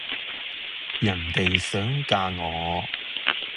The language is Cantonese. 人地想嫁我